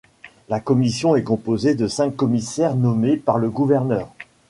La commission est composée de cinq commissaires nommés par le gouverneur.